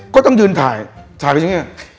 ก็ต้องยืนถ่ายถ่ายไปจริง